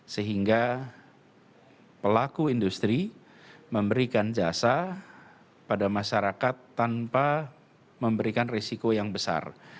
sehingga pelaku industri memberikan jasa pada masyarakat tanpa memberikan risiko yang besar